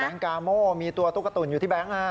แบงค์กาโมมีตัวตู้กระตุ่นอยู่ที่แบงค์